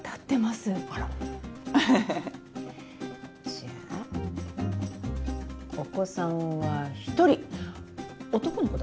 じゃあお子さんは１人男の子だ。